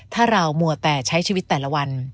ถ้าเรามัวแต่ใช้ชีวิตแต่ละวัน